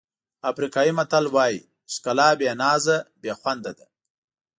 افریقایي متل وایي ښکلا بې نازه بې خونده ده.